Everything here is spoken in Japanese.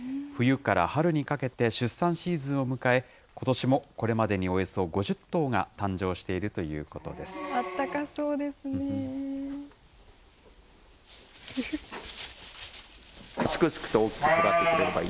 冬から春にかけて出産シーズンを迎え、ことしもこれまでにおよそ５０頭が誕生しているということあったかそうですねえ。